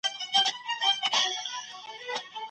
که د لمریزې بریښنا کارول دود سي، نو چاپیریال نه ککړیږي.